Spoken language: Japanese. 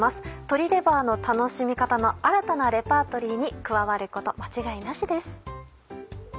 鶏レバーの楽しみ方の新たなレパートリーに加わること間違いなしです。